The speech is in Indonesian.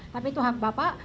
tapi itu hak bapak